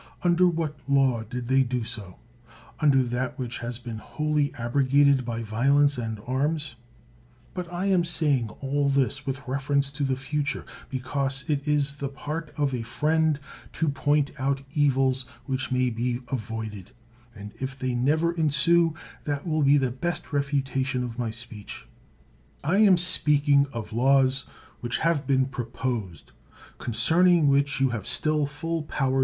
Under what law did they do so ? Under that which has been wholly abrogated by violence and arms ? But I am saying all this with reference to the future, because it is the part of a friend to point out evils which may be avoided; and if they never ensue, that will be the best refutation of my speech. I am speaking of laws which have been proposed, concerning which you have still full power